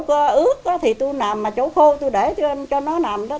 chỗ ướt thì tôi làm mà chỗ khô tôi để cho nó nằm đó